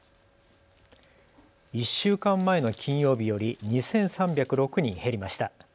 １週間前の金曜日より２３０６人減りました。